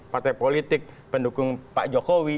partai politik pendukung pak jokowi